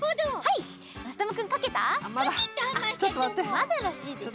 まだらしいです。